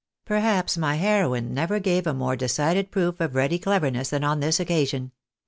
Perhaps my heroine never gave a more decided proof of ready cleverness than on this occasion.